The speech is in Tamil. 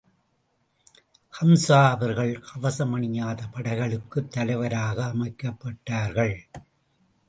ஹம்ஸா அவர்கள் கவசம் அணியாத படைகளுக்குத் தலைவராக அமைக்கப்பட்டார்கள்.